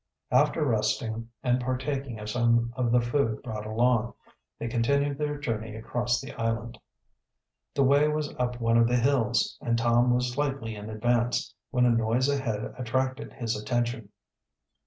After resting, and partaking of some of the food brought along, they continued their journey across the island. The way was up one of the hills, and Tom was slightly in advance, when a noise ahead attracted his attention.